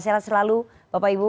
selalu bapak ibu